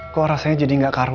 kok rasanya jadi gak karung